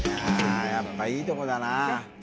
やっぱいいとこだな。